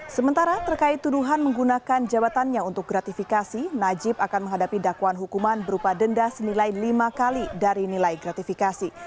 sementara terkait tuduhan menggunakan jabatannya untuk gratifikasi najib akan menghadapi dakwaan hukuman berupa denda senilai lima kali dari nilai gratifikasi